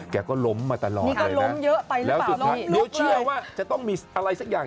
แกก็ล้มมาตลอดแล้วสุดท้ายหนูเชื่อว่าจะต้องมีอะไรสักอย่าง